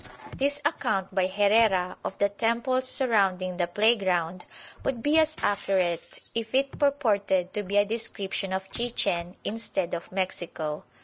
This account by Herrera of the temples surrounding the playground would be as accurate if it purported to be a description of Chichen instead of Mexico.